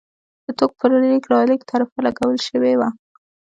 د توکو پر لېږد رالېږد تعرفه لګول شوې وه.